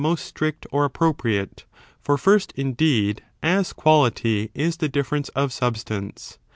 most strict or appropriate ; for first, indeed, as quality, is the difference of substance.